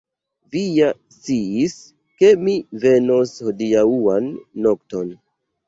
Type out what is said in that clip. Vi ja sciis, ke mi venos hodiaŭan nokton!